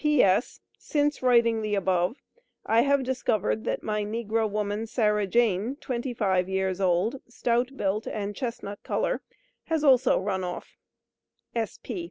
P.S. Since writing the above, I have discovered that my negro woman, SARAH JANE, 25 years old, stout built and chestnut color, has also run off.